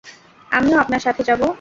আমিও আপনার সাথে যাব।